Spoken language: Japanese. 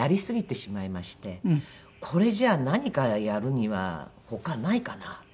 これじゃあ何かやるには他ないかな？